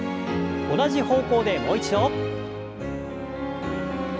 同じ方向でもう一度。